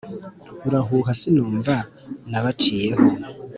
urahuha sinumva nabaciyeho